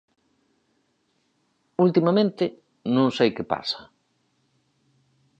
Ultimamente non sei que pasa.